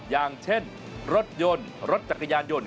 อย่างเช่นรถยนต์รถจักรยานยนต